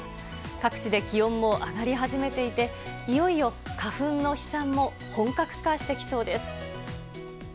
各地で気温も上がり始めていて、いよいよ花粉の飛散も本格化してきそうです。